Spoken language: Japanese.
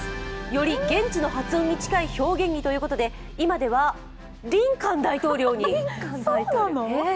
より現地の発音に近い表現にということで、今ではリンカン大統領に。